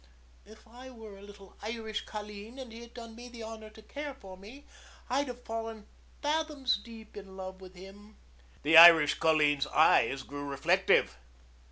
"If I were a little Irish colleen and he had done me the honor to care for me, I'd have fallen fathoms deep in love with him." The Irish colleen's eyes grew reflective.